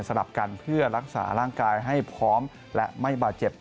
ลับกันเพื่อรักษาร่างกายให้พร้อมและไม่บาดเจ็บ